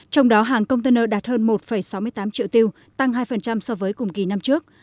trong đó hàng container đạt hơn một sáu mươi tám triệu tiêu tăng hai so với cùng kỳ năm trước